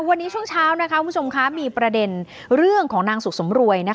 วันนี้ช่วงเช้าคุณผู้ชมคะมีประเด็นเรื่องของนางสุขสมรวย